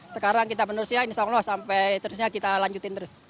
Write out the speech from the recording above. sekarang kita menerus ya insya allah sampai terusnya kita lanjutin terus